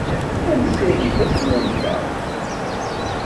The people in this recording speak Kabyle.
Ad nessired ifassen-nteɣ.